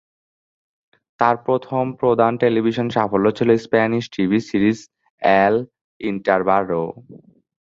তার প্রথম প্রধান টেলিভিশন সাফল্য ছিল স্প্যানিশ টিভি সিরিজ 'এল ইন্টাররাডো'।